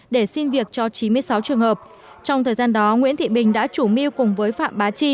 để xin việc cho chín mươi sáu trường hợp trong thời gian đó nguyễn thị bình đã chủ mưu cùng với phạm bá chi